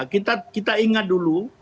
kita ingat dulu